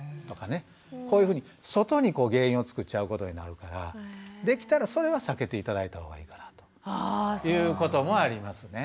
こういうふうに外に原因を作っちゃうことになるからできたらそれは避けて頂いた方がいいかなということもありますね。